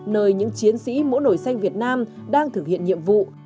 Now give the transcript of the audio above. nơi những chiến sĩ mũ nổi xanh việt nam đang thực hiện nhiệm vụ